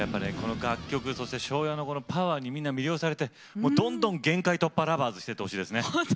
楽曲、ＳＨＯＷ‐ＹＡのパワーに魅了されてどんどん限界突破ラバーズしていってほしいですね。